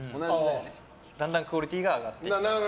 だんだんクオリティーが上がってきた。